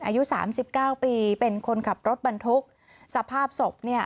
อายุสามสิบเก้าปีเป็นคนขับรถบรรทุกสภาพศพเนี่ย